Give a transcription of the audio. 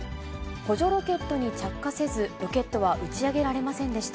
補助ロケットに着火せず、ロケットは打ち上げられませんでした。